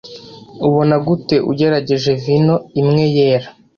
ubona gute ugerageje vino imwe yera